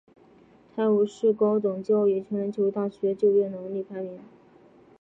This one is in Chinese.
泰晤士高等教育全球大学就业能力排名。